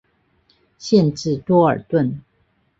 县治多尔顿。